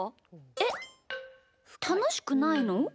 えっ、たのしくないの？